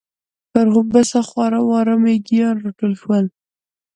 پر غومبسه خواره واره مېږيان راټول شول.